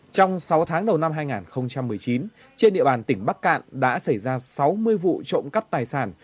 trong sáu tháng đầu năm hai nghìn một mươi chín trên địa bàn tỉnh bắc cạn đã xảy ra sáu mươi vụ trộm cắp tài sản